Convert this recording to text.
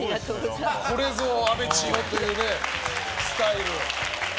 これぞ阿部知代というスタイル。